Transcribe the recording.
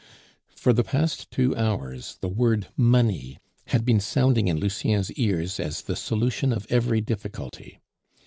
For the past two hours the word money had been sounding in Lucien's ears as the solution of every difficulty.